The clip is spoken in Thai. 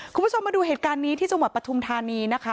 คุณผู้ชมมาดูเหตุการณ์นี้ที่จังหวัดปฐุมธานีนะคะ